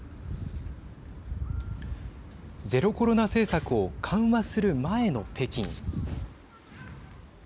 ゼロコロナ政策を緩和する前の北京。